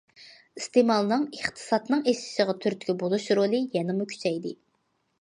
ئىستېمالنىڭ ئىقتىسادنىڭ ئېشىشىغا تۈرتكە بولۇش رولى يەنىمۇ كۈچەيدى.